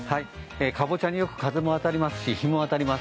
かぼちゃによく風も当たりますし、日も当たります。